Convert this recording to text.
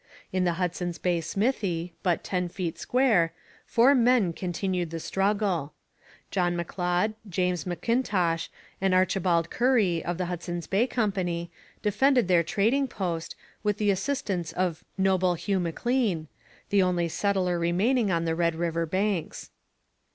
In the Hudson's Bay smithy, but ten feet square, four men continued the struggle. John M'Leod, James M'Intosh, and Archibald Currie, of the Hudson's Bay Company, defended their trading post, with the assistance of 'noble Hugh M'Lean,' the only settler remaining on the Red River banks.